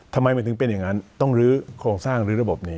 ทำไมมันถึงเป็นอย่างนั้นต้องลื้อโครงสร้างลื้อระบบนี้